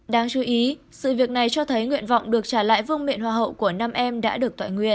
đáng chú ý sự việc này cho thấy nguyện vọng được trả lại vương miện hoa hậu của nam em đã được tội nguyện